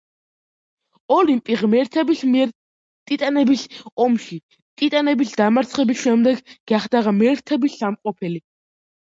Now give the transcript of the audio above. ოლიმპი ღმერთების მიერ ტიტანების ომში ტიტანების დამარცხების შემდეგ გახდა ღმერთების სამყოფელი.